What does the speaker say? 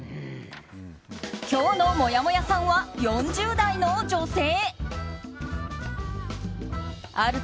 今日のもやもやさんは４０代の女性。